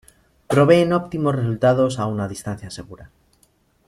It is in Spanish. Proveen óptimos resultados a una distancia segura.